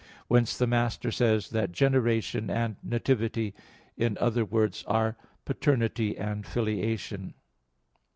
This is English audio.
Whence the Master says that "generation and nativity in other words are paternity and filiation" (Sent.